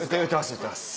売ってます